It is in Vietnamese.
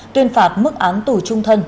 tuyên phạt mức án tù trung thân